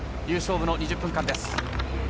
勝負の２０分間です。